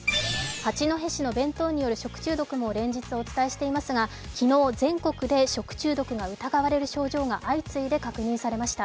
八戸市の弁当による食中毒もお伝えしていますが、昨日、全国で食中毒が疑われる症状が相次いで確認されました。